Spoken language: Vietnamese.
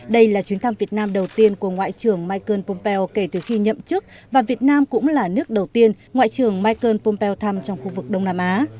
đây là chuyến thăm việt nam đầu tiên của ngoại trưởng michael pompeo kể từ khi nhậm chức và việt nam cũng là nước đầu tiên ngoại trưởng michael pompeo thăm trong khu vực đông nam á